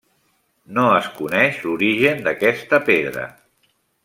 No es coneix l'origen d'aquesta pedra.